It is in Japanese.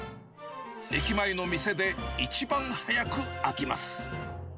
駅前の店で一番早く開きます。